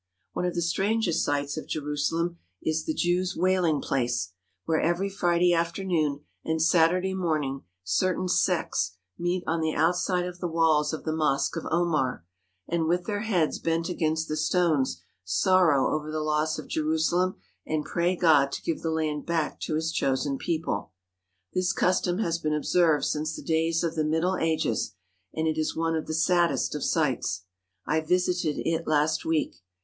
One of the strangest sights of Jerusalem is the Jews' wailing place, where every Friday afternoon and Saturday morning certain sects meet on the outside of the walls of the Mosque of Omar and with their heads bent against the stones sorrow over the loss of Jerusalem and pray God to give the land back to His chosen people. This custom has been observed since the days of the Middle Ages and it is one of the saddest of sights. I visited it last week.